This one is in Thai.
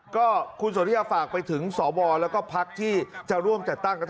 ก็คุณสนทิยาฝากไปถึงสวแล้วก็พักที่จะร่วมจัดตั้งรัฐ